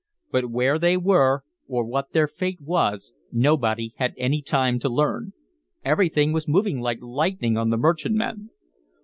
But where they were or what their fate was nobody had any time to learn. Everything was moving like lightning on the merchantman.